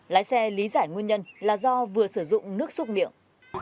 lái xe lý giải nguyên nhân là do vừa sử dụng nước xúc miệng